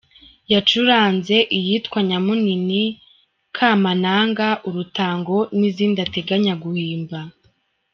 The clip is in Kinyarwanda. Yacuranze iyitwa “Nyamunini”, “Kamananga”, “Urutango” n’izindi ateganya guhimba.